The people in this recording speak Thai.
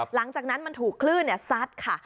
หลังจากนั้นมันถูกคลื่นซัดค่ะ